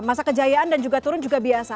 masa kejayaan dan juga turun juga biasa